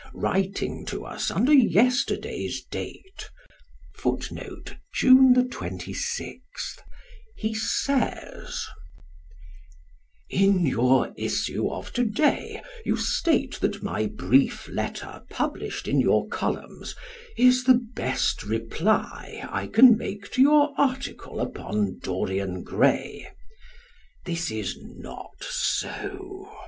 Writing to us under yesterday's date, he says: In your issue of to day you state that my brief letter published in your columns is the "best reply" I can make to your article upon "Dorian Gray." This is not so.